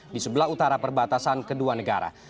di sebelah utara perbatasan kedua negara